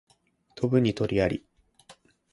飛ぶに禽あり